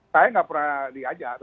saya gak pernah diajak